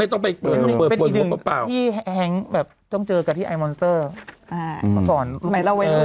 ไม่ถือว่าตอนนี้ไม่มีเวลาทำแล้ว